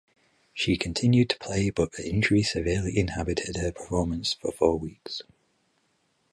She continued to play but the injury severely inhibited her performance for four weeks.